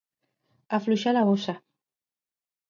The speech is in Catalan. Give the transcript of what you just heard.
Afluixar la bossa.